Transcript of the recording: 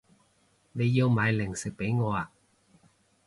你要買零食畀我啊